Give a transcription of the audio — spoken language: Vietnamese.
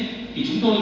thì chúng tôi